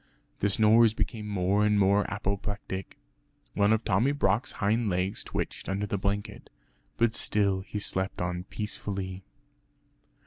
The snores became more and more apoplectic. One of Tommy Brock's hind legs twitched under the blanket, but still he slept on peacefully.